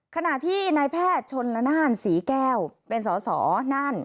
ขณะที่นายแพทย์ชนละนานศรีแก้วเป็นสอสอน่าน